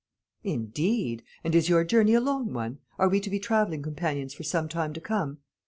"Indeed! And is your journey a long one? Are we to be travelling companions for some time to come?"